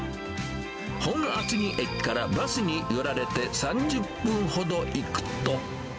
本厚木駅からバスに揺られて３０分ほど行くと。